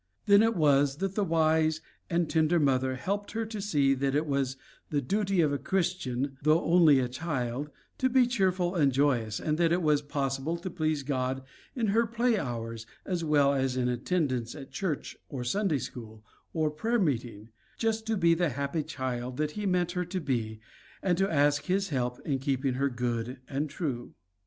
Then it was that the wise and tender mother helped her to see that it was the duty of a Christian, though only a child, to be cheerful and joyous, and that it was possible to please God in her play hours as well as in attendance at church or Sunday school or prayer meeting, just to be the happy child that he meant her to be, and to ask his help to keep her good and true.